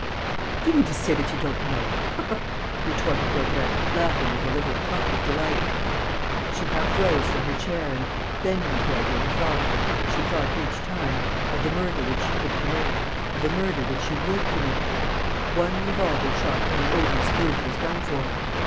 "Do you mean to say that you don't know?" retorted Daubrecq, laughing with a little cluck of delight. She half rose from her chair and, bending toward him, thought, as she thought each time, of the murder which she could commit, of the murder which she would commit. One revolver shot and the odious brute was done for.